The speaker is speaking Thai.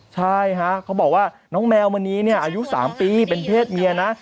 ใช่ฮะเขาบอกว่าน้องแมวมณีเนี่ยอายุ๓ปีเป็นเพศเมียนะ